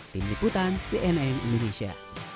tim liputan bnn indonesia